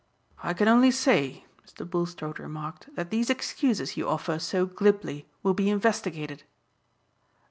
"I can only say," Mr. Bulstrode remarked, "that these excuses you offer so glibly will be investigated."